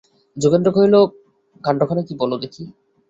যোগেন্দ্র কহিল, কাণ্ডখানা কী বলো দেখি।